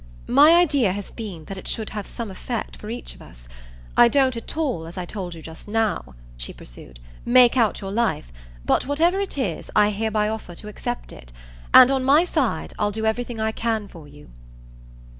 My idea has been that it should have some effect for each of us. I don't at all, as I told you just now," she pursued, "make out your life; but whatever it is I hereby offer to accept it. And, on my side, I'll do everything I can for you."